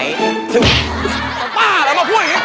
มาป้าแล้วมาพูดแบบนี้